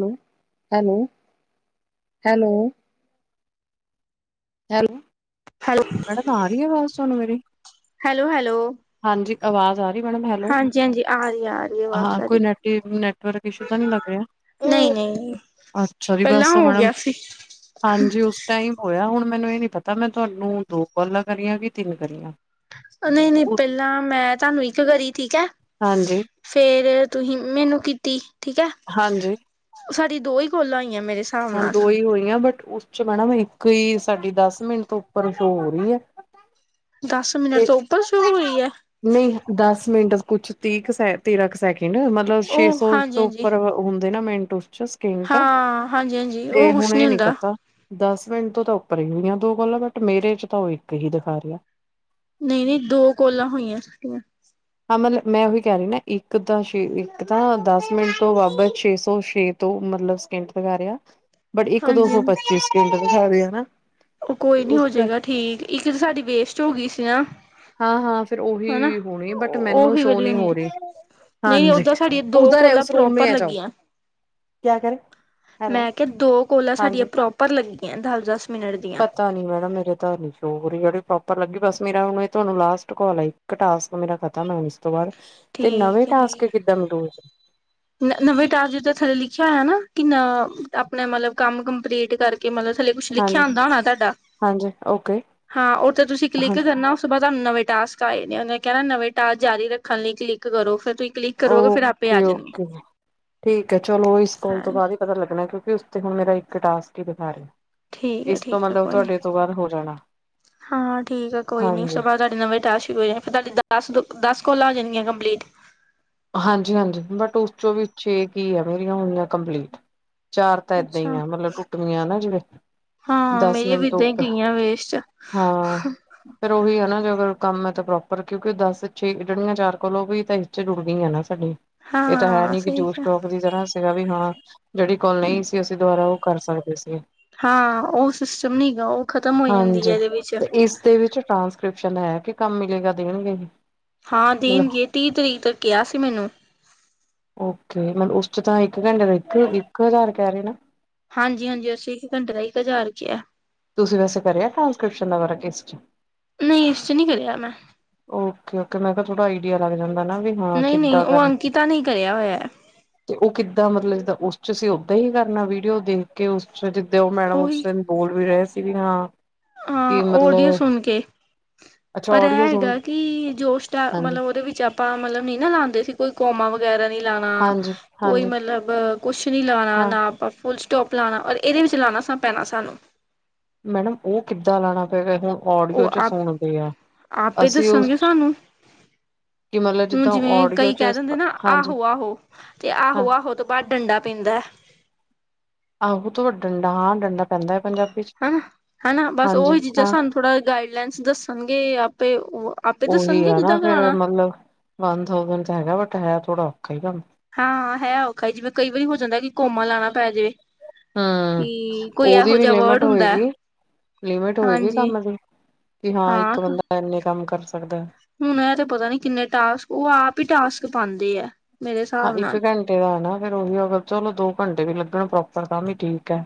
Hello, hello, hello. Hello hello. Madam ਆ ਰਹੀ ਹੈ ਆਵਾਜ਼ ਤੁਹਾਨੂੰ ਮੇਰੀ? Hello hello. ਹਾਂਜੀ ਆਵਾਜ਼ ਆ ਜੀ ਹਾਂਜੀ ਮੈਡਮ ਹੈਲੋ, ਹਾਂਜੀ ਹਾਂਜੀ ਆ ਰਹੀ ਆ ਰਹੀ ਆਵਾਜ਼ ਹਾਂ ਕੋਈ ਤੁਹਾਡੀ ਨੈਟਵਰ ਇਸ਼ੂ ਤਾਂ ਨੀ ਲੱਗ ਰਿਹਾ। ਨਹੀਂ, ਨਹੀਂ ਅੱਛਾ ਜੀ ਪਹਿਲਾਂ ਬਸ ਉਹ ਹੋ ਮੈਡਮ ਗਿਆ ਸੀ। ਹਾਂਜੀ ਉਸ ਟਾਈਮ ਹੋਇਆ, ਹੁਣ ਮੈਨੂੰ ਇਹ ਨੀ ਪਤਾ ਮੈਂ ਤੁਹਾਨੂੰ ਦੋ ਕਾਲਾਂ ਕਰੀਆਂ ਕਿ ਤਿੰਨ ਕਰੀਆਂ। ਨਹੀਂ, ਨਹੀਂ ਪਹਿਲਾਂ ਮੈਂ ਤੁਹਾਨੂੰ ਇੱਕ ਕਰੀ ਠੀਕ ਹੈ। ਹਾਂਜੀ, ਫੇਰ ਤੁਹੀ ਮੈਨੂੰ ਕੀਤੀ ਠੀਕ ਹੈ। ਹਾਂਜੀ। ਸਾਡੀ ਦੋ ਹੀ ਕੋਲਾਂ ਹੋਈਆਂ ਮੇਰੇ ਹਿਸਾਬ ਹਾਂ ਨਾਲ ਦੋ ਹੀ ਹੋਈਆਂ ਬਟ ਉਸ ਚ ਮੈਡਮ ਇੱਕੋ ਹੀ ਸਾਡੀ ਦਸ ਮਿੰਟ ਤੋਂ ਉੱਪਰ ਸ਼ੋ ਹੋ ਰਹੀ ਹੈ। ਦਸ ਮਿੰਟ ਤੇ ਤੋਂ ਉੱਪਰ ਸ਼ੋ ਹੋਈ ਹੈ। ਨਹੀਂ ਦਸ ਮਿੰਟ ਕੁਛ ਤੀਹ ਕੁ ਤੇਰਾਂ ਕੁ ਸੈਕਿੰਡ ਮਤਲਬ ਛੇ ਉਹ ਸੌ ਹਾਂਜੀ ਤੋਂ ਹਾਂਜੀ ਉੱਪਰ ਹੁੰਦੇ ਨਾ ਮਿੰਟ ਉਸ ਚ ਸਕਿੰਟ ਹਾਂ, ਹਾਂਜੀ, ਹਾਂਜੀ ਤੇ ਉਹ ਹੁਣ ਕੁਸ਼ ਇਹ ਨਹੀਂ ਨੀ ਹੁੰਦਾ। ਪਤਾ ਦਸ ਮਿੰਟ ਤੋਂ ਤਾਂ ਉੱਪਰ ਹੀ ਹੋਈਆਂ ਦੋ ਗੱਲਾਂ ਬਟ ਮੇਰੇ ਚ ਤਾਂ ਉਹ ਇੱਕ ਹੀ ਦਿਖਾ ਰਿਹਾ। ਨਹੀਂ ਨਹੀਂ ਦੋ ਕੋਲਾਂ ਹੋਈਆਂ ਸਾਡੀਆਂ। ਹਾਂ ਮਤਲਬ ਮੈਂ ਉਹੀ ਕਹਿ ਰਹੀ ਨਾ ਇੱਕ ਤਾਂ ਛੇ ਇੱਕ ਤਾਂ ਦਸ ਮਿੰਟ ਤੋਂ ਬਾਬਰ ਛੇ ਸੌ ਛੇ ਦੋ ਮਤਲਬ ਸਕਿੰਟ ਦਿਖਾ ਰਿਹਾ ਬਟ ਇੱਕ ਦੋ ਹਾਂਜੀ ਸੌ ਹਾਂਜੀ ਪਚੀ ਸੈਕਿੰਡ ਦਿਖਾ ਰਿਹਾ ਨਾ। ਉਹ ਤੇ ਕੋਈ ਨੀ ਉਸ ਹੋ ਜਾਏਗਾ ਠੀਕ ਇੱਕ ਤਾਂ ਸਾਡੀ ਵੇਸਟ ਹੋ ਗਈ ਸੀ ਨਾ। ਹਾਂ ਹਾਂ, ਫੇਰ ਹਨਾ ਉਹੀ ਹੋਣੀ ਬਟ ਮੈਨੂੰ ਉਹੀ ਸ਼ੋ ਵਾਲੀ ਨਹੀਂ ਹੋਣੀ ਹੋ ਏ ਰਹੀ। ਨਹੀਂ ਉਹ ਹਾਂਜੀ ਤੇ ਸਾਡੀਆਂ ਦੋ ਉਧਰ ਹੈ ਕੋਲਾਂ ਉਸ ਰੂਮ ਪ੍ਰੋਪਰ ਮੈਂ ਆ ਜਾਓ ਲੱਗੀਆਂ। ਕਿਆ ਕਰੇ ਹੈਲੋ ਮੈਂ ਕਿਹਾ ਦੋ ਕੋਲਾਂ ਹਾਂਜੀ ਸਾਡੀਆਂ ਪ੍ਰੋਪਰ ਲੱਗੀਆਂ ਦਸ, ਦਸ ਮਿੰਟ ਦੀਆਂ। ਪਤਾ ਨੀ ਮੈਡਮ ਮੇਰੇ ਤਾਂ ਹਜੇ ਸ਼ੋਅ ਨਹੀਂ ਹੋ ਰਹੀ ਆ ਜਿਹੜੀ ਪ੍ਰੋਪਰ ਲੱਗੀ ਬਸ ਮੇਰਾ ਉਵੇਂ ਤੁਹਾਨੂੰ ਲਾਸਟ ਕੋਲ ਆਈ। ਇੱਕ ਟਾਸਕ ਮੇਰਾ ਖਤਮ ਹੁਣ ਇਸ ਤੋਂ ਬਾਅਦ ਤੇ ਨਵੇਂ ਠੀਕ ਹੈ ਟਾਸਕ ਠੀਕ ਕਿੱਦਾਂ ਮਿਲੂ? ਨਵੇਂ ਟਾਸਕ ਜਿਥੋਂ ਥੱਲੇ ਲਿਖਿਆ ਹੋਇਆ ਨਾ ਕਿ ਨਾ ਆਪਣਾ ਮਤਲਬ ਕੰਮ ਕੰਪਲੀਟ ਕਰਕੇ ਕਿ ਮਤਲਬ ਥੱਲੇ ਕੁਛ ਲਿਖਿਆ ਹਾਂਜੀ ਆਉੁੰਦਾ ਹੋਣਾ ਤੁਹਾਡਾ? ਹਾਂਜੀ ਓਕੇ। ਹਾਂ ਉੱਥੇ ਤੁਸੀਂ ਕਲਿੱਕ ਹਾਂਜੀ ਕਰਨਾ ਉਸ ਤੋਂ ਬਾਅਦ ਤੁਹਾਨੂੰ ਨਵੇਂ ਟਾਸਕ ਆਏ ਦੇ ਉਹਨੇ ਕਹਿਣਾ ਨਵੇਂ ਟਾਸਕ ਜਾਰੀ ਰੱਖਣ ਲਈ ਕਲਿੱਕ ਕਰੋ। ਫੇਰ ਤੁਸੀਂ ਕਲਿੱਕ ਕਰੋਗੇ ਫਿਰ ਆਪੇ ਆ ਓਕੇ, ਜਾਣਗੇ। ਓਕੇ, ਠੀਕ ਹੈ ਚਲੋ ਇਸ ਕੋਲ ਤੋਂ ਹਾਂਜੀ ਬਾਅਦ। ਪਤਾ ਲੱਗਣਾ ਕਿਉਂਕਿ ਉਸ ਤੇ ਹੁਣ ਮੇਰਾ ਇੱਕ ਟਾਸਕ ਹੀ ਦਿਖਾ ਰਿਹਾ। ਠੀਕ ਹੈ ਇਸ ਤੋਂ ਠੀਕ ਹੈ ਮਤਲਬ ਕੋਈ ਨੀ ਤੁਹਾਡੇ ਤੋਂ ਬਾਅਦ ਹੋ ਜਾਣਾ ਹਾਂ ਠੀਕ ਹੈ ਕੋਈ ਨੀ ਉਸ ਹਾਂਜੀ ਤੋਂ ਬਾਅਦ ਨਵੇਂ ਟਾਸਕ ਸ਼ੁਰੂ ਹੋ ਜਾਨੇ ਫਿਰ ਤੁਹਾਡੀਆਂ ਦਸ ਦਸ ਕੋਲਾਂ ਹੋ ਜਾਣਗੀਆਂ ਕੰਪਲੀਟ। ਹਾਂਜੀ ਹਾਂਜੀ ਬਟ ਉਸ ਚੋਂ ਵੀ ਛੇ ਕੀ ਹੈ ਮੇਰੀਆਂ ਹੋਈਆਂ ਕੰਪਲੀਟ। ਚਾਰ ਤਾਂ ਏਦਾਂ ਹੀ ਅੱਛਾ ਆ ਮਤਲਬ ਟੁੱਟਵੀਆਂ ਨਾ ਜਿਵੇਂ। ਹਾਂ ਦਸ ਮੇਰੀਆਂ ਵੀ ਮਿੰਟ ਤੋਂ ਇਦਾਂ ਹੀ ਉੱਪਰ ਗਈਆਂ ਵੇਸਟ। ਹਾਂ ਫੇਰ ਉਹੀ ਆ ਨਾ ਜੇ ਅਗਰ ਕੰਮ ਹੈ, ਤਾਂ ਪ੍ਰੋਪਰ ਕਿਉਂਕਿ ਦਸ ਛੇ ਜਿਹੜੀਆਂ ਚਾਰ ਕੋਲ ਉਹ ਵੀ ਤਾਂ ਇਥੇ ਜੁੜ ਨਈ ਹੈ ਨਾ ਸਾਡੇ ਏ ਤਾਂ ਹੈ ਹਾਂ ਨੀ ਕਿ ਸਹੀ ਜੋਸ ਕਿਹਾ ਟੋਕ ਦੀ ਤਰ੍ਹਾਂ ਸੀਗਾ ਵੀ ਹਾਂ, ਜਿਹੜੀ ਕੋਲ ਨਹੀਂ ਸੀ, ਅਸੀਂ ਦੁਬਾਰਾ ਓਹ ਕਰ ਸਕਦੇ ਸੀ। ਹਾਂ ਉਹ ਸਿਸਟਮ ਨਹੀਂ ਹੈਗਾ ਉਹ ਖ਼ਤਮ ਹੋ ਜਾਂਦੀ ਹੈ ਹਾਂਜੀ ਇਹਦੇ ਵਿੱਚ ਤੇ ਇਸ ਦੇ ਵਿੱਚ ਟ੍ਰਾਂਸਕ੍ਰਿਪਸ਼ਨ ਹੈ ਕੇ ਕੰਮ ਮਿਲੇਗਾ ਦੇਣਗੇ ਹੀ। ਹਾਂ ਦੇਣਗੇ, ਤੀਹ ਤਰੀਕ ਤੱਕ ਕਿਹਾ ਸੀ ਮੈਨੂੰ ਓਕੇ ਮਤਲਬ ਉਸ ਚ ਤਾਂ ਇੱਕ ਘੰਟੇ ਦਾ ਇੱਕ, ਇੱਕ ਹਜ਼ਾਰ ਕਹਿ ਰਹੇ ਨਾ। ਹਾਂਜੀ, ਹਾਂਜੀ ਅਸੀਂ ਇੱਕ ਘੰਟੇ ਦਾ ਇੱਕ ਹਜ਼ਾਰ ਹੀ ਕਿਹਾ। ਤੁਸੀਂ ਵੈਸੇ ਕਰਿਆ ਟਾਂਸਕ੍ਰਿਪਸ਼ਨ ਦਾ ਬਾ ਕਿਸਟ ਨਹੀਂ ਇਸ 'ਚ ਨਹੀਂ ਕਰਿਆ ਮੈਂ ਓਕੇ, ਮੈਂ ਕਿਹਾ ਥੋੜਾ ਆਈਡੀਆ ਲੱਗ ਜਾਂਦਾ ਨਾ ਵੀ। ਹਾਂ ਨਹੀਂ, ਨਹੀਂ ਕਿੱਦਾਂ ਕਰਨਾ ਉਹ ਅੰਕਿਤਾ ਨਹੀਂ ਕਰਿਆ ਹੋਇਆ। ਤੇ ਉਹ ਕਿੱਦਾਂ ਮਤਲਬ ਜਿੱਦਾਂ ਉਸ ਚ ਅਸੀਂ ਓਦਾਂ ਹੀ ਕਰਨਾ ਵੀਡੀਓ ਦੇਖ ਕੇ ਉਸ 'ਚ ਤੇ ਉਹ ਮੈਡਮ ਉਸ ਉਹੀ ਦਿਨ ਬੋਲ ਵੀ ਰਹੇ ਸੀ ਵੀ ਹਾਂ ਕਿ ਹਾਂ ਓਡੀਓ ਮਤਲਬ ਸੁਣ ਕੇ, ਅੱਛਾ ਪਰ ਇਹ ਓਡੀਓ ਸੁਣ ਹੈਗਾ ਕੀ ਜੋਸ਼ ਟੈਗ ਹਾਂਜੀ ਮਤਲਬ ਉਹਦੇ ਵਿੱਚ ਆਪਾਂ ਮਤਲਬ ਨਹੀਂ ਨਾ ਲਾਉਂਦੇ ਸੀ। ਕੋਈ ਕੌਮਾ ਵਗੈਰਾ ਨਹੀਂ ਲਾਉਣਾ, ਹਾਂਜੀ ਕੋਈ ਹਾਂਜੀ ਮਤਲਬ ਕੁਛ ਨਹੀਂ ਲਾਉਣਾ ਹਾਂ ਨਾ ਆਪਾਂ ਫੁਲ ਸਟੋਪ ਲਾਉਣਾ, ਔਰ ਇਹਦੇ ਵਿੱਚ ਲਾਉਣਾ ਪੈਣਾ ਸਾਨੂੰ। ਮੈਡਮ ਉਹ ਕਿੱਦਾਂ ਲਾਉਣਾ ਪਏਗਾ ਹੁਣ ਓਡੀਓ ਉਹ ਚ ਆਪ, ਸੁਣਦੇ ਆ ਆਪੇ ਅਸੀਂ ਉਸ ਦੱਸਣਗੇ ਸਾਨੂੰ। ਕਿ ਮਤਲਬ ਹੁਣ ਜਿੱਦਾਂ ਜਿਵੇਂ ਓਡੀਓ ਕਈ ਚ ਕਹਿ ਦਿੰਦੇ ਨਾ ਹਾਂਜੀ ਆਹੋ, ਆਹੋ ਤੇ ਹਾਂ ਆਹੋ, ਆਹੋ ਤੋਂ ਬਾਅਦ ਡੰਡਾ ਪੈਂਂਦਾ। ਆਹੋ ਤਾਂ ਡੰਡਾ ਹਾਂ ਡੰਡਾ ਪੈਂਦਾ ਹੈ ਪੰਜਾਬ ਹਨਾ, ਹਨਾ ਬਸ ਉਹੀ ਚੀਜ਼ਾਂ ਸਾਨੂੰ ਥੋੜਾ ਗਾਈਡਲਾਈਨ ਦੱਸਣਗੇ ਆਪੇ ਆਪੇ ਉਹੀ ਦੱਸਣਗੇ ਆ ਨਾ ਜਿੱਦਾਂ ਫੇਰ ਕਰਾਉਣਾ ਮਤਲਬ, ਵਨ ਥਾਂਉਸਡ ਹੈਗਾ ਬਟ ਹੈ ਥੋੜਾ ਔਖਾ ਹੀ ਕੰਮ ਹਾਂ ਹੈ ਔਖਾ ਜਿਵੇਂ ਕਈ ਵਾਰੀ ਹੋ ਜਾਂਦਾ ਕਿ ਕੋਮਾ ਲਾਉਣਾ ਪੈ ਜੇ ਹਮ, ਉਹਦੀ ਵੀ ਲਿਮਿਟ ਵਰਡ ਹੁੰਦਾ ਹੋਏਗੀ। ਲਿਮਿਟ ਹੋਏਗੀ ਹਾਂਜੀ ਕੰਮ ਦੀ, ਕਿ ਹਾਂ ਇੱਕ ਬੰਦਾ ਇੰਨੇ ਕੰਮ ਕਰ ਸਕਦਾ। ਹੁਣ ਇਹ ਤੇ ਪਤਾ ਨੀ ਕਿੰਨੇ ਟਾਸਕ, ਉਹ ਆਪ ਹੀ ਟਾਸਕ ਪਾਉਂਦੇ ਆ। ਮੇਰੇ ਹਾਂ ਹਿਸਾਬ ਇੱਕ ਨਾਲ ਘੰਟੇ ਦਾ ਹੈ ਨਾ ਫਿਰ ਉਹੀ ਅਗਰ ਚਲੋ ਦੋ ਘੰਟੇ ਵੀ ਲੱਗਣ ਪ੍ਰੋਪਰ ਤਾਂ ਵੀ ਠੀਕ ਹੈ।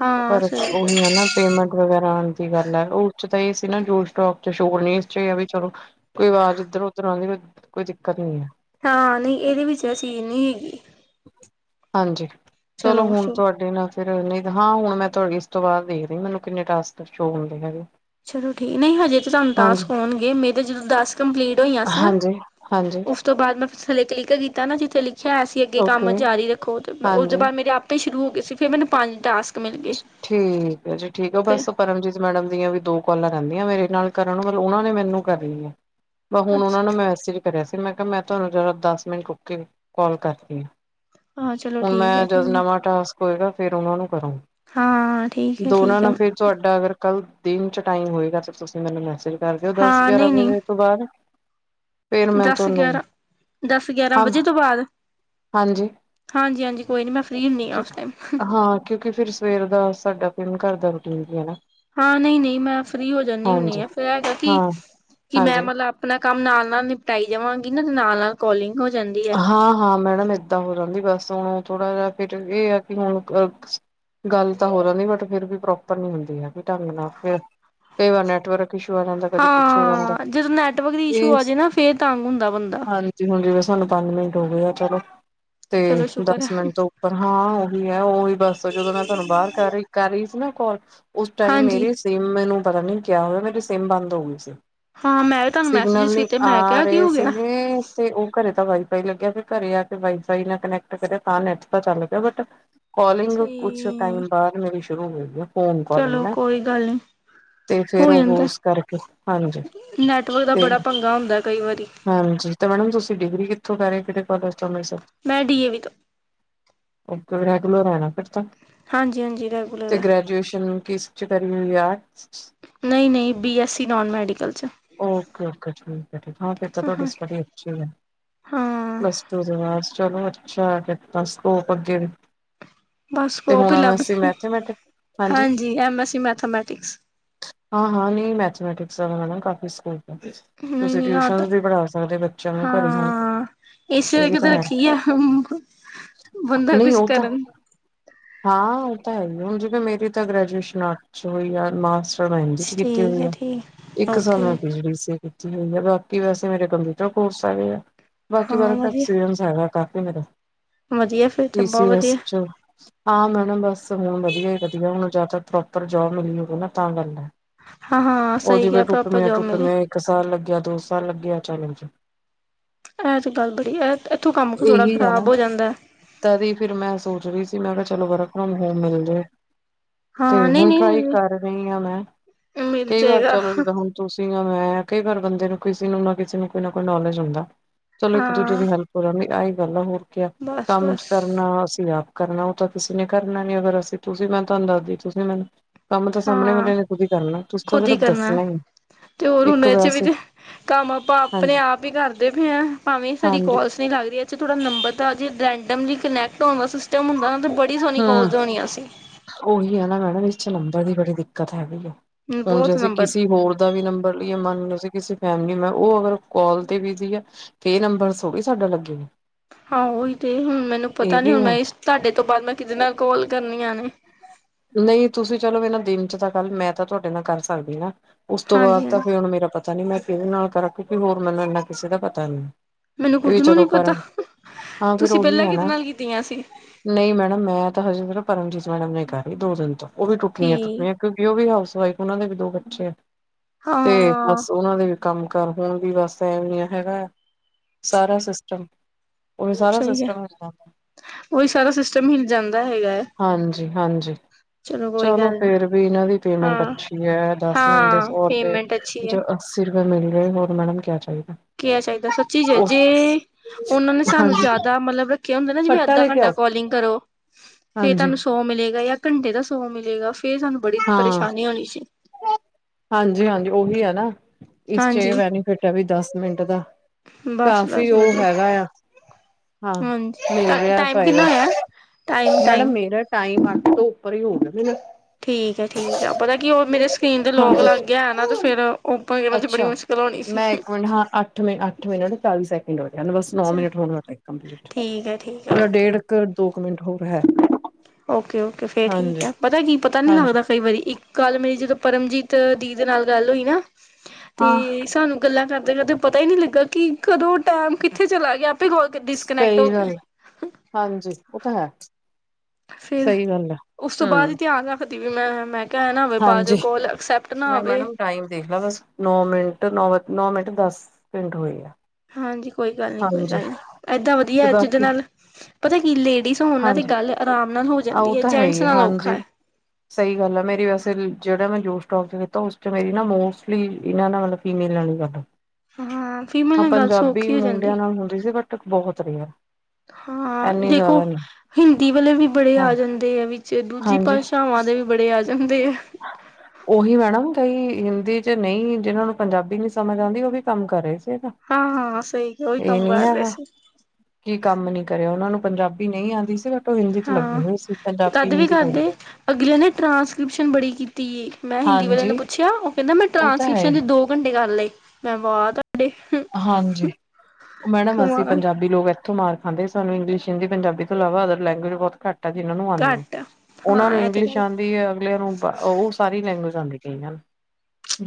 ਹਾਂ ਪਰ ਸਹੀ ਗੱਲ ਉਹੀ ਹੈ ਨਾ। ਪੇਮੈਂਟ ਵਗੈਰਾ ਆਉਣ ਦੀ ਗੱਲ ਹੈ ਉਸ ਚ ਤਾਂ ਇਹ ਸੀ ਨਾ ਜੋ ਸਟੋਕ 'ਚ ਸ਼ੋ ਨਹੀ ਇਸ 'ਚ ਇਹ ਹੈ ਵੀ ਚਲੋ ਕੋਈ ਆਵਾਜ਼ ਇੱਧਰ- ਉੱਧਰ ਆਵੇ ਕੋਈ ਦਿੱਕਤ ਨਹੀ ਹੈ। ਹਾਂ ਨਹੀਂ, ਇਹਦੇ ਵਿੱਚ ਇਹ ਚੀਜ਼ ਨਹੀਂ ਹੈਗੀ। ਹਾਂਜੀ, ਚਲੋ ਹੁਣ ਤੁਹਾਡੇ ਨਾਲ। ਫਿਰ ਨਹੀਂ ਹਾਂ ਹੁਣ ਮੈਂ ਤੁਹਾਡੀ ਇਸ ਤੋਂ ਬਾਅਦ ਦੇਖਦੀ ਮੈਨੂੰ ਕਿੰਨੇ ਟਾਸਕ ਸ਼ੋ ਹੁੰਦੇ ਹੈਗੇ। ਚਲੋ ਠੀਕ ਨਹੀਂ, ਹਜੇ ਤੇ ਤੁਹਾਨੂੰ ਹਾਂਜੀ, ਟਾਸਕ ਆਉਣਗੇ ਮੇਰੇ ਜਦੋਂ ਦਸ ਕੰਪਲੀਟ ਹੋਈਆਂ ਸੀ ਨਾ ਹਾਂਜੀ- ਹਾਂਜੀ ਉਸ ਤੋਂ ਬਾਅਦ ਮੈਂ ਥੱਲੇ ਕਲਿੱਕ ਕੀਤਾ ਨਾ, ਜਿੱਥੇ ਲਿਖਿਆ ਸੀ ਅੱਗੇ ਕੰਮ ਓਕੇ ਜਾਰੀ ਰੱਖੋ ਤੇ ਉਸ ਹਾਂਜੀ। ਤੋਂ ਬਾਅਦ ਮੇਰੇ ਆਪ ਤਾਂ ਸ਼ੁਰੂ ਹੋ ਗਿਆ ਸੀ, ਫਿਰ ਮੈਨੂੰ ਪੰਜ ਟਾਸਕ ਮਿਲ ਗਏ ਠੀਕ ਹੈ ਜੀ ਠੀਕ ਹੈ ਫਿਰ ਬਸ ਪਰਮਜੀਤ ਮੈਡਮ ਦੀਆਂ ਵੀ ਦੋ ਕਾਲਾਂ ਰਹਿੰਦੀਆਂ ਮੇਰੇ ਨਾਲ ਕਰਨ ਮਤਲਬ ਉਹਨਾਂ ਨੇ ਮੈਨੂੰ ਕਰਨੀਆਂ। ਹੁਣ ਅੱਛਾ ਉਹਨਾਂ ਨੂੰ ਮੈਸੇਜ ਕਰਿਆ ਸੀ, ਮੈਂ ਕਿਹਾ ਮੈਂ ਤੁਹਾਨੂੰ ਜ਼ਰਾ ਦਸ ਮਿੰਟ ਰੁਕ ਕੇ ਕਾਲ ਕਰਦੀ ਹਾਂ। ਹਾਂ ਚਲੋ ਹੁਣ ਠੀਕ ਹੈ ਮੈਂ ਜਦ ਠੀਕ ਹੈ ਨਵਾਂ ਟਾਸਕ ਹੋਏਗਾ ਫੇਰ ਉਹਨਾਂ ਨੂੰ ਕਰੂ ਹਾਂ ਠੀਕ ਹੈ ਦੋਨਾਂ ਠੀਕ ਹੈ ਨਾਲ ਫੇਰ ਤੁਹਾਡਾ, ਅਗਰ ਕੱਲ ਦਿਨ ਚ ਟਾਈਮ ਹੋਏਗਾ, ਤੁਸੀਂ ਮੈਨੂੰ ਮੈਸੇਜ ਕਰ ਦਿਓ ਦਸ ਹਾਂ ਗਿਆਰਾਂ ਨਹੀਂ ਨਹੀਂ ਵਜੇ ਤੋਂ ਬਾਅਦ। ਫੇਰ ਮੈਂ ਦਸ ਤੁਹਾਨੂੰ ਗਿਆਰਾਂ, ਦਸ ਗਿਆਰਾਂ ਹਾਂ ਵਜੇ ਤੋਂ ਬਾਅਦ ਹਾਂਜੀ ਹਾਂਜੀ -ਹਾਂਜੀ, ਕੋਈ ਨਹੀਂ ਮੈਂ ਫਰੀ ਹੁੰਦੀ ਹਾਂ ਉਸ ਟਾਈਮ ਹਾਂ ਕਿਉਂਕਿ ਫੇਰ ਸਵੇਰ ਦਾ ਸਾਡਾ ਫਿਰ ਘਰ ਦਾ ਰੂਟੀਨ ਵੀ ਹੈਨਾ। ਹਾਂ ਨਹੀਂ, ਨਹੀਂ ਮੈਂ ਫ੍ਰਰੀ ਹੋ ਜਾਂਦੀ ਹੁੰਦੀ ਆ, ਫਿਰ ਇਹ ਹੈਗਾ ਹਾਂ ਕਿ ਮੈਂ ਹਾਂਜੀ ਮਤਲਬ ਆਪਣਾ ਕੰਮ ਨਾਲ -ਨਾਲ ਨਿਪਟਾਈ ਜਾਵਾਂਗੀ ਨਾਲ- ਨਾਲ ਕੋਲਿੰਗ ਕੋ ਜਾਂਏ ਹਾਂ-ਹਾਂ। ਮੈਡਮ ਏਦਾਂ ਹੋ ਜਾਂਦੀ ਬੱਸ ਹੁਣ ਥੋੜ੍ਹਾ ਜਹਾ ਫੇਰ ਇਹ ਆ ਕਿ ਹੁਣ ਅ ਗੱਲ ਤਾਂ ਹੋ ਜਾਂਦੀ ਬਟ ਫਿਰ ਵੀ ਪ੍ਰੋਪਰ ਨੀ ਹੁੰਦੀ ਹੈਗੀ ਢੰਗ ਨਾਫਿਰ, ਕਈ ਵਾਰ ਨੈਟਵਰਕ ਛੋਰਾ ਦਾ ਕਦੇ ਕੁਛ ਹੋ ਜਾਂਦਾ, ਹਾਂ ਜਦੋਂ ਨੈਟਵਰਕ ਦੀ ਇਸ਼ੂ ਆ ਏਸ ਜੇ ਨਾ ਫੇਰ ਤੰਗ ਹੁੰਦਾ ਬੰਦਾ। ਹਾਂਜੀ। ਜੇ ਹੁਣ ਜਿਵੇਂ ਸਾਨੂੰ ਪੰਜ ਮਿੰਟ ਹੋ ਗਏ ਆ ਚੱਲੋ, ਤੇ ਚਲੋ ਸ਼ੁਕਰ ਦੱਸ ਹੈ। ਮਿੰਟ ਤੋਂ ਪਰ ਹਾਂ ਉਹੀ ਹੈ ਉਹੀ ਬਸ ਜਦੋਂ ਮੈਂ ਤੁਹਾਨੂੰ ਬਾਹਰ ਕਰ ਰਹੀ, ਕਰ ਰਹੀ ਸੀ ਨਾ ਕੋਲ ਉਸ ਟਾਈਮ ਹਾਂਜੀ ਮੇਰੀ ਸਿਮ ਮੈਨੂੰ ਪਤਾ ਨੀ ਕਿਆ ਹੋਇਆ ਮੇਰੀ ਸਿਮ ਬੰਦ ਹੋ ਗਈ ਸੀ। ਹਾਂ ਮੈਂ ਵੀ ਤੁਹਾਨੂੰ ਸਿਗਨਲ ਮੈਸੇਜਿਸ ਨੀ, ਕੀਤੇ ਮੈਂ ਆ ਕਿਹਾ ਕੀ ਰਹੇ ਹੋ ਗਿਆ। ਸੀਗੇ। ਤੇ ਉਹ ਘਰੇ ਤਾਂ ਵਾਈਫਾਈ ਲੱਗਿਆ ਤੇ ਘਰੇ ਆ ਕੇ ਵਾਈਫਾਈ ਨਾਲ ਕਨੈਕਟ ਕਰਿਆ ਤਾਂ ਨੈਟ ਤਾਂ ਚੱਲ ਪਿਆ ਬਟ ਕੋਲਿੰਗ, ਕੁਛ ਟਾਈਮ ਠੀਕ। ਬਾਅਦ ਮੇਰੀ ਸ਼ੁਰੂ ਹੋਈ ਆ। ਫੋਨ ਕਾਲਿੰਗ ਚਲੋ ਨਾ ਕੋਈ ਗਲ ਨੀ। ਤੇ ਫੇਰ ਹੋ ਉਹ ਜਾਂਦਾ। ਉਸ ਕਰਕੇ ਹਾਂਜੀ ਨੈਟਵਰਕ ਦਾ ਤੇ ਬੜਾ ਪੰਗਾ ਹੁੰਦਾ ਕਈ ਵਾਰੀ। ਹਾਂਜੀ ਤੇ ਮੈਡਮ ਤੁਸੀਂ ਡਿਗਰੀ ਕਿੱਥੋਂ ਕਰ ਰਏ ਕਿਹੜੇ ਕੋਲਜ ਤੋਂ ਅੰਮ੍ਰਿਤਸਰ ਮੈਂ ਡੀ ਏ ਵੀ ਤੋਂ। ਓ ਰੈਗੂਲਰ ਐਨਾ ਕਰਤਾ ਹਾਂਜੀ ਹਾਂਜੀ ਰੈਗੂਲਰ ਤੇ ਹੈ। ਗ੍ਰੈਜੂਏਸ਼ਨ ਕਿਸ 'ਚ ਕਰੀ ਹੋਈ ਆ ਆਟਸ? ਨਹੀਂ ਨਹੀਂ B S C non medical 'ਚ। ਓਕੇ-ਓਕੇ, ਠੀਕ ਆ ਠੀਕ ਹਾ ਫਿਰ ਤੁਹਾਡੀ ਸਟੱਡੀ ਚੱਲੇ। ਟ [unintelligible] ਹਾਂ ਬੱਸ ਚਲੋ ਅੱਛਾ ਕੀਤਾ ਸਕੋਪ ਅੱਗੇ ਵੀ ਬਸ ਤੇ ਸਕੋਪ ਹੁਣ ਹੀ ਐਮ ਲੱਭ, ਐਸ ਸੀ ਮੈਥੇਮੈਟਿਕ ਹਾਂਜੀ ਐਮ ਐਸ ਈ ਮੈਥਾਮੈਟਿਕਸ। ਹਾਂ- ਹਾਂ ਨਈ ਮੈਥਮੈਟਿਕਸ 'ਚ ਹਨਾ, ਕਾਫੀ ਸਕੋਪ ਆ ਨਹੀਂ ਤੁਸੀਂ ਨਹੀਂ ਆ ਤਾਂ ਟਿਊਸ਼ਨਸ਼ ਵੀ ਪੜ੍ਹਾ ਸਕਦੇ ਬੱਚਿਆਂ ਨੂੰ। ਪਰਰੇ ਹਾ, ਹਾਂ ਇਸੇ ਇਹ ਵੀ ਕਰਕੇ ਤਾਂ ਹੈ, ਰੱਖੀ ਆ ਬੰਦਾ ਨਈ ਕੁਛ ਉ ਤਾਂ ਕਰਨ ਹਾਂ। ਉਹ ਤਾਂ ਹੈ ਈ ਆ ਹੁਣ ਜਿਵੇਂ ਮੇਰੀ ਤਾਂ ਗ੍ਰੈਜੂਏਸ਼ਨ ਅੱਠ ਚ ਹੋਈ ਆ ਮਾਸ ਐਮ ਜੀ 'ਚ ਕੀਤੀ ਠੀਕ ਹੈ ਹੋਈਆ, ਠੀਕ ਇੱਕ ਸਾਲ ਓਕੇ ਮੈਂ ਪੀਜੀ ਡੀਸੀ ਏ। ਕੀਤੀ ਹੋਈ ਆ ਬਾਕੀ ਵੈਸੇ ਮੇਰੇ ਕੰਪਿਊਟਰ ਕੋਰਸ ਆਏ ਆ, ਬਾਕੀ [unintelligible] [unintelligible] ਹਾਂ ਵਧੀਆ ਹੈਗਾ ਕਾਫੀ ਮੇਰਾ, ਵਧੀਆ ਫਿਰ ਤਾਂ ਪੀ ਬਹੁਤ ਸੀ ਵਧੀਆ ਐਸ 'ਚ ਹਾਂ ਮੈਡਮ ਬਸ ਹੁਣ ਵਦੀਆ ਈ ਵਦੀਆ ਹੁਣ ਜਾਂ ਤਾਂ ਪ੍ਰੋਪਰ ਜੋਬ ਮਿਲੀ ਹੋਵੇ ਨਾ ਤਾਂ ਗੱਲ ਐ। ਹਾਂ ਹਾਂ ਓ ਸਹੀ ਕਿਹਾ ਜਿਵੇਂ ਟੁੱਟ ਪਾਪਾ ਮਿਆ, ਜੋਬ ਟੁੱਟ ਮਿਲੇ ਮਿਆ ਇੱਕ ਸਾਲ ਲੱਗਿਆ ਦੋ ਸਾਲ ਲੱਗਿਆ ਚਲੋ ਜੀ। ਐ ਤਾਂ ਗੱਲ ਬੜੀ ਅ ਇੱਥੋਂ ਕੰਮ ਕੁ ਥੋੜ੍ਹਾ ਇਹੀ ਹੈ ਨਾ ਖ਼ਰਾਬ ਹੋ ਜਾਂਦੈ। ਤਦੀ ਫਿਰ ਮੈਂ ਸੋਚ ਰਹੀ ਸੀ ਮੈਂ ਕਿਹਾ ਚਲੋ ਵਰਕ ਹੋ ਹੋਮ ਮਿਲ ਜੇ। ਤੇ ਹਾਂ ਨਹੀਂ ਹੁਣ ਟਰਾਈ ਨਹੀਂ ਕਰ ਰਈਂ ਆ ਮੈਂ, ਮਿਲ ਕਈ ਵਾਰ ਜਾਏਗਾ ਚੱਲੋ ਜਿਦਾ ਹੁਣ ਤੁਸੀਂ ਜਾਂ ਮੈਂ ਕਈ ਵਾਰ ਬੰਦੇ ਨੂੰ ਕਿਸੇ ਨੂੰ ਨਾ ਕਿਸੇ ਨੂੰ ਕੋਈ ਨਾ ਕੋਈ ਨੌਲੇਜ ਹੁੰਦਾ। ਚਲੋ ਇੱਕ ਦੂਜੇ ਹਾਂ ਦੀ ਹੈਲਪ ਹੋ ਜਾਂਦੀ ਆਹੀ ਗੱਲ ਆ ਹੋਰ ਕਿਆ, ਬਸ ਕੰਮ ਚ ਬਸ ਕਰਨ ਨਾਂ ਅਸੀਂ ਆਪ ਕਰਨਾ ਉਹ ਤਾਂ ਕਿਸੇ ਨੇ ਕਰਨਾ ਨੀ ਅਗਰ ਅਸੀਂ ਤੁਸੀਂ ਮੈਂ ਤੁਹਾਨੂੰ ਦੱਸਦੀ ਤੁਸੀਂ ਮੈਨੂੰ ਕੰਮ ਤਾਂ ਸਾਮਣੇ ਹਾਂ ਵਾਲੇ ਨੇ ਖੁਦ ਈ ਕਰਨਾ ਤੁਸੀਂ ਤਾਂ ਖੁਦ ਹੀ ਸਿਰਫ਼ ਕਰਨਾ ਦੱਸਣਾ ਈਆ। ਤੇ ਹੋਰ ਹੁਨ ਇਚ ਵੀ ਤੇ, ਕੰਮ ਆਪਾਂ ਆਪਣੇ ਹਾਂਜੀ ਆਪ ਈ ਕਰਦੇ ਪਏ ਆਂ। ਭਾਵੇਂ ਸਾਡੀ ਹਾਂਜੀ ਕੋਲਸ ਲੱਗਦੀ ਐ ਇਚ ਥੋੜਾ ਨੰਬਰ ਦਾ ਜੇ ਰੈਂਡਮਲੀ ਕਨੈਕਟ ਹੋਣ ਦਾ ਸਿਸਟਮ ਹੁੰਦਾ ਨਾ ਬੜ ਬਡੀ ਸੋਹਣੀ ਹਮ ਕੋੋਲਜ ਹੋਣੀਆ ਸੀ। ਉਹੀ ਹੈ ਨਾ ਮੈਡਮ ਇਸ ਚ ਨੰਬਰ ਦੀ ਬੜੀ ਦਿੱਕਤ ਹੈਗੀ ਆ, ਹੁਣ ਜੇ ਬਹੁਤ ਅਸੀਂ ਨੰਬਰ ਕਿਸੀ ਹੋਰ ਦਾ ਵੀ ਨੰਬਰ ਲਈਏ ਮੰਨਲੋ ਸੀ ਕਿਸੇ ਫੈਮਿਲੀ ਮੈਂ ਉਹ ਅਗਰ ਕੋਲ ਤੇ ਬਿਜੀ ਐ ਫੇਰ ਨੰਬਰ ਸੋ ੜੀ ਸਾਡਾ ਲੱਗੇਗਾ। ਆਹੋ ਉਹੀ ਤੇ, ਹੁਣ ਮੈਨੂੰ ਇਹ ਪਤਾ ਨੀ ਵੀ ਹੁਣ ਮੈਂ ਇਸ ਤਾਡੇ ਤੋਂ ਬਾਦ ਮੈਂ ਕੀਦੇ ਨਾਲ ਕੋਲ ਕਰਨੀਆ ਨੇ। ਨਹੀਂ ਤੁਸੀਂ ਚਲੋ ਇਹ ਨਾ ਦਿਨ ਚ ਤਾਂ ਕੱਲ ਮੈਂ ਤਾਂ ਤੁਹਾਡੇ ਨਾਲ ਕਰ ਸਕਦੀ ਨਾ। ਉਸ ਤੋਂ ਬਾਦ ਹਾਂਜੀ ਤਾਂ ਹਾਂਜੀ ਫਿਰ ਹੁਣ ਮੇਰਾ ਪਤਾ ਨੀ ਮੈਂ ਕਿਹਦੇ ਨਾਲ ਕਰਾਂ ਕਿਉਂਕਿ ਹੋਰ ਮੈਨੂੰ ਇੰਨਾ ਕਿਸੇ ਦਾ ਪਤਾ ਨੀ। ਮੈਨੂੰ ਖੁਦ ਇਹ ਨੂੰ ਚਲੋ ਨੀ ਪਤਾ ਪਰਾਂ, ਹਾਂ ਫਿਰ ਤੁਸੀਂ ਉਹੀ ਪਹਿਲਾਂ ਹੈ ਕਿਹਦੇ ਨਾ ਨਾਲ ਕੀਤੀਆਂ ਸੀ ਨਹੀਂ ਮੈਡਮ ਮੈਂ ਤਾਂ ਹਜੇ ਸਿਰਫ ਪਰਮਜੀਤ ਮੈਡਮ ਨਾ ਕਰ ਰਹੀ ਦੋ ਦਿਨ ਤੋਂ, ਉਹ ਵੀ ਠੀਕ ਟੁੱਟਣੀਆਂ-ਟੁੱਟਣੀਆਂ। ਕਿਉਂਕਿ ਉਹ ਵੀ ਹਾਊਸ ਵਾਈਫ ਉਹਨਾਂ ਦੇ ਵੀ ਦੋ ਬੱਚੇ ਆ ਤੇ, ਹਾਂ ਬਸ ਓਨਾਂ ਦੇ ਵੀ ਕੰਮ-ਕਾਰ ਹੋਣ ਵੀ ਵਸ ਟੈਮ ਨਹੀਂ ਹੈਗਾ ਆ, ਸਾਰਾ ਸਿਸਟਮ ਉਹ ਵੀ ਸਾਰਾ ਸਹੀ ਹੈ ਸਿਸਟਮ ਜਾਂ ਉਹੀ ਸਾਰਾ ਸਿਸਟਮ ਹਿਲ ਜਾਂਦਾ ਹੈਗਾ ਹੈ। ਹਾਂਜੀ ਹਾਂਜੀ। ਕੋਈ ਚਲੋ ਗੱਲ ਨੀ ਫੇਰ ਵੀ ਇਹਨਾਂ ਦੀ ਪੇਮੈਂਟ ਹਾਂ ਅੱਛੀ ਹੈ ਦੱਸ ਮਿੰਟ ਦੇ ਹਾਂ ਸੌ ਰੁਪਏ। ਪੇਮੈਂਟ ਅੱਛੀ ਹੈ ਅੱਸੀ ਰੁਪਏ ਮਿਲ ਰਹੇ ਹੋਰ ਮੈਡਮ ਕਿਆ ਚਾਹੀਦਾ। ਕੀ ਚਾਹੀਦਾ ਸੱਚੀ ਜ ਜੇ ਉਹਨਾਂ ਨੇ ਸਾਨੂੰ ਹਾਂਜੀ ਜ਼ਿਆਦਾ ਮਤਲਬ ਰੱਖਿਆ ਹੁੰਦਾ ਨਾ ਜਿਵੇਂ ਫੱਟਾ ਅੱਧਾ ਲੈ ਕੇ ਘੰਟਾ ਆਓ ਕੋਲਿੰਗ ਕਰੋ। ਫੇਰ ਹਾਂਜੀ ਤੁਹਾਨੂੰ ਸੌ ਮਿਲੇਗਾ ਜਾਂ ਘੰਟੇ ਦਾ ਸੌ ਮਿਲੇਗਾ ਫੇਰ ਸਾਨੂੰ ਬੜੀ ਹਾਂ ਪਰੇਸ਼ਾਨੀ ਹੋਣੀ ਸੀ। ਹਾਂਜੀ ਹਾਂਜੀ ਉਹੀ ਹੈ ਨਾ। ਇਸ ਚ ਹਾਂਜੀ ਇਹ ਬੈਨੀਫਿਟ ਹੈ ਵੀ ਦਸ ਮਿੰਟ ਦਾ ਬਸ ਕਾਫ਼ੀ ਬਸ ਉਹ ਵਧੀਆ ਹੈਗਾ ਆ। ਹਾਂ ਮਿਲ ਹਾਂਜੀ ਰਿਹਾ ਟਾਈਮ ਫਾਇਦਾ ਕਿੰਨਾ ਹੋਇਆ ਟਾਈਮ ਮੈਡਮ ਟਾਈਮ ਮੇਰਾ। ਟਾਈਮ ਅੱਠ ਤੋਂ ਉੱਪਰ ਹੀ ਹੋਣਗੇ। ਠੀਕ ਹੈ ਠੀਕ ਹੈ ਪਤਾ ਕੀ ਉਹ ਮੇਰੇ ਟੀਂਨ ਦੇ ਲੋਕ ਲੱਗਿਆ ਨਾ ਤੇ ਹਾਂਜੀ ਫਰ ਓਪਨ ਚ ਬੜੀ ਅੱਛਾ ਮੁਸ਼ਕਿਲ ਹੋਣੀ ਸੀ। ਮੈਂ ਇੱਕ ਮਿੰਟ ਹਾਂ ਅੱਠ ਮਿੰਟ ਚਾਲੀ ਸੈਕਿੰਡ ਹੋ ਗਿਆ। ਬਸ ਨੌ ਅੱਛਾ ਮਿੰਟ ਹੋਨ ਵਾਲੇ ਕੰਪਲੀਟ ਠੀਕ ਹੈ ਠੀਕ ਹੈ ਓਕੇ ਡੇਢ। ਘਰ ਦੋ ਕੁ ਮਿੰਟ ਹੋਰ ਹੈ ਓਕੇ ਓਕੇ ਫੇਰ ਠੀਕ ਹਾਂਜੀ ਹੈ ਪਤਾ ਕੀ ਪਤਾ ਨੀ ਹਾਂਜੀ ਲੱਗਦਾ ਕਈ ਵਾਰੀ ਇੱਕ ਕਲ ਮੇਰੀ ਜਦੋਂ ਪਰਮਜੀਤ ਦੀ ਦੇ ਨਾਲ ਗੱਲ ਹੋਈ ਨਾ ਤੇ ਹਾਂ ਸਾਨੂੰ ਗੱਲਾਂ ਕਰਦੇ ਕਰਦੇ ਪਤਾ ਹੀ ਨੀ ਲੱਗਾ ਕਿ ਕਦੋਂ ਟਾਈਮ ਕਿੱਥੇ ਚਲਾ ਗਿਆ ਆਪੇ ਕੋਲ ਡਿਸਕਨੈਕਟ ਹੋ ਸਹੀ ਗਈ ਗੱਲ ਹਾਂਜੀ ਉਹ ਤਾਂ ਹੈ। ਫੇਰ ਸਹੀ ਗੱਲ ਹੈ ਉਸ ਤੋਂ ਬਾਅਦ ਹੀ ਹਮ ਧਿਆਨ ਰੱਖਦੀ ਵੀ ਮੈਂ ਮੈਂ। ਇਹਿ ਨਾ ਹੋਵੇ ਬਾਅਚੋ ਹਾਂਜੀ ਕੋਲ ਐਕਸੈਪਟ ਨਾ ਮੈਂ ਆਵੇ। ਮੈਡਮ ਟਾਈਮ ਦੇਖ ਲ ਬੱਸ। ਨੌ ਮਿੰਟ ਨੌ ਨੌ ਮਿੰਟ ਦੱਸ ਸਕਿੰਟ ਹੋਏ ਆ। ਹਾਂਜੀ ਕੋਈ ਗੱਲ ਨੀ ਕੋਈ ਹਾਂਜੀ ਗੱਲ ਨਹੀਂ ਏਦਾਂ ਤੇ ਵਧੀਆ ਜਿਦੇ ਬਾਕੀ ਨਾਲ ਪਤਾ ਕੀ ਲੇਡੀਜ਼ ਉਹਨਾਂ ਦੀ ਹਾਂਜੀ ਗੱਲ ਆਰਾਮ ਨਾਲ ਹੋ ਆਹ ਉਹ ਜਾਂਦੀ ਹੈ ਤਾਂ ਜੈਂਟਸ ਹੀ ਆ, ਨਾਲ ਔਖਾ ਹਾਂਜੀ ਹੈ। ਸਹੀ ਗੱਲ ਆ ਮੇਰੀ ਬਸ ਫਿਰ ਜਿਹੜਾ ਮੈਂ ਜੋਸ਼ਟੋਕ ਚ ਕੀਤਾ ਉਸ ਚ ਮੇਰੀ ਨਾ ਮੋਸਟਲੀ ਇਹਨਾ ਨਾਲ ਫੀਮੇਲ ਨਾਲ ਹੀ ਗੱਲ। ਹਾਂ ਫੀਮੇਲ ਹਾਂ ਨਾਲ ਗੱਲ ਪੰਜਾਬੀ ਸੌਖੀ ਹੋ ਮੁੰਡਿਆਂ ਜਾਂਦੀ ਨਾਲ ਹੁੰਦੀ ਸੀ ਬਟ ਬਹੁਤ ਰਿਹਾ। ਹਾਂ ਦੇਖੋ ਹਿੰਦੀ ਵਾਲੇ ਵੀ ਬੜੇ ਆ ਹਾਂਜੀ ਜਾਂਦੇ ਆ ਵਿੱਚ ਦੂਜੀ ਹਾਂਜੀ ਭਾਸ਼ਾਵਾਂ ਦੇ ਬੜੇ ਆ ਜਾਂਦੇ ਆ। ਉਹੀ ਮੈਡਮ ਕਈ ਹਿੰਦੀ ਚ ਨਹੀ ਜਿਹਨਾਂ ਨੂੰ ਪੰਜਾਬੀ ਨ੍ਹੀਂ ਸਮਝ ਆਉਂਦੀ ਉਹ ਵੀ ਕੰਮ ਕਰ ਰਹੇ ਸੀ ਅਜ। ਹਾਂ ਹਾਂ ਸਹੀ ਉਹੀ ਕੰਮ ਕਰ ਰਹੇ ਸੀ। ਕੀ ਕੰਮ ਨੀ ਕਰਿਆ ਉਹਨਾਂ ਨੂੰ ਪੰਜਾਬੀ ਨਹੀਂ ਆਉਂਦੀ ਸੀ ਬਟ ਉਹ ਹਿੰਦੀ ਤੋਂ ਲੱਗੇ ਹਾਂ। ਹੋਏ ਸੀ। ਪੰਜਾਬੀ ਤਦ ਵੀ ਹਿੰਦੀ ਬੋਲਦੇ। ਕਰਦੇ ਅਗਲੇ ਨੇ ਟਰਾਂਸਕ੍ਰਿਪਸ਼ਨ ਬੜੀ ਕੀਤੀ ਮੈਂ ਹਿੰਦੀ ਵਾਲਿਆਂ ਨੇ ਹਾਂਜੀ ਪੁੱਛਿਆ ਉਹ ਕਹਿੰਦਾ ਮੈਂ ਉਹ ਤਾਂ ਹੈ ਟਰਾਂਸਕ੍ਰਿਪਸ਼ਨ ਦੇ। ਗਡੀ ਕਰ ਲਈ ਮੈਂ ਬਹੁਤ ਤੁਹਾਡੇ ਹਾਂਜੀ ਓ ਮੈਡਮ ਅਸੀਂ ਕਮਾਲ ਪੰਜਾਬੀ ਲੋਕ। ਮਾਰ ਖਾਂਦੇ ਸਨ ਇੰਗਲਿਸ਼ ਹਿੰਦੀ ਪੰਜਾਬੀ ਤੋਂ ਇਲਾਵਾ ਅਦਰ ਲੈਂਗੁਜ ਬਹੁਤ ਘੱਟ। ਜਿਹਨਾਂ ਨੂੰ ਆਂਦੀ ਹੈ ਘੱਟ ਉਹਨਾਂ ਨੂੰ ਹਾਂ ਇਹ ਤੇ ਇੰਗਲਿਸ਼ ਗੱਲ ਆਂਦੀ ਹੈ ਅਗਲਿਆਂ ਨੂੰ ਉਹ ਸਾਰੀ ਲੈਂਗਵੇਜ ਆਉਂਦੀ ਗਈਆਂ ਹਨ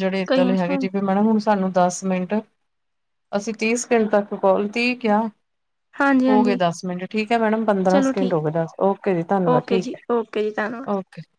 ਜਿਹੜੇ ਕਈ ਏਦਾਂ ਹੈਗੇ ਸਾਰੇ ਜਿਵੇ ਮੈਡਭ ਹੁਣ ਸਾਨੂੰ ਦੱਸ ਮਿੰਟ ਦ [unintelligible] ਅਸੀਂ ਤੀਹ ਸਕਿੰਟ ਤੱਕ ਕੋਲ ਤੀ ਕਿਹਾ ਹਾਂਜੀ ਹੋ ਗਏ ਹਾਂਜੀ ਦੱਸ ਮਿੰਟ ਠੀਕ ਹੈ। ਮੈਡਮ ਪੰਦਰਾਂ ਚਲੋ ਸਕਿੰਡ ਠੀਕ ਹੋ ਗਏ। ਬੱਸ ਓਕੇ ਜੀ ਧੰਨਵਾਦ ਓਕੇ ਠੀਕ ਜੀ ਹੈ ਓਕੇ ਜੀ ਧੰਨਵਾਦ ਓ। ਕਿਸ। [unintelligible]